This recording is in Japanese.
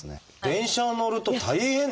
電車に乗ると大変！